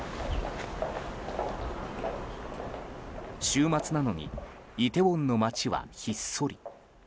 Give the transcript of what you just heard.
週末なのにイテウォンの街はひっそり。